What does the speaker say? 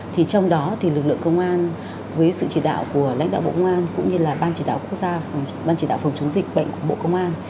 thì trong đó thì lực lượng công an với sự chỉ đạo của lãnh đạo bộ công an cũng như là ban chỉ đạo phòng chống dịch bệnh của bộ công an